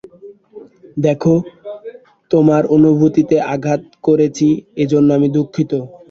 দেখো, তোমার অনুভূতিতে আঘাত করেছি এজন্য আমি দুঃখিত।